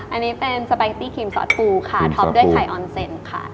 อันนี้เป็นสปาเกตตี้ครีมซอสปูค่ะท็อปด้วยไข่ออนเซ็นค่ะ